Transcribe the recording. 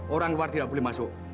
orang luar tidak boleh masuk